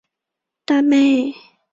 朝廷下诏赠太师。